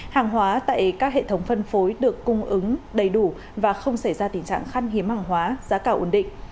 hàng hóa tại các hệ thống phân phối được cung ứng đầy đủ và không xảy ra tình trạng khăn hiếm hàng hóa giá cả ổn định